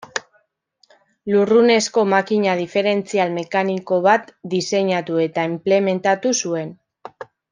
Lurrunezko makina diferentzial mekaniko bat diseinatu eta inplementatu zuen.